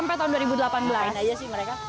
ngapain aja sih mereka